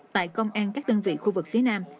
tại công an các đơn vị khu vực phía nam